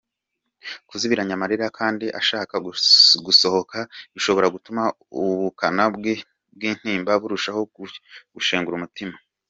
Kuzibiranya amarira kandi ashaka gusohoka bishobora gutuma ubukana bw’intimba burushaho kugushengura umutima.